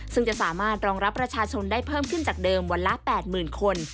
ซึ่งจะสามารถรองรับประชาชนได้เพิ่มขึ้นจากเดิมวันละ๘๐๐๐คน